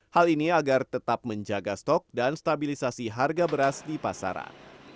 hal ini agar tetap menjaga stok dan stabilisasi harga beras di pasaran